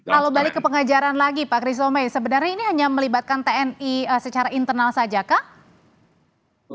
kalau balik ke pengajaran lagi pak kristo may sebenarnya ini hanya melibatkan tni secara internal saja kah